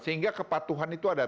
sehingga kepatuhan itu ada